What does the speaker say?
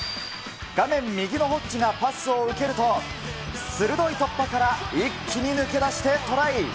画面右のホッジがパスを受けると、鋭い突破から一気に抜け出してトライ。